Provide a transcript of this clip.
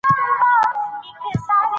الفبې د سمبولونو يوه مجموعه ده.